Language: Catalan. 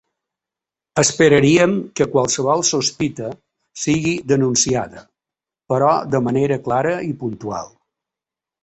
Esperaríem que qualsevol sospita sigui denunciada però de manera clara i puntual.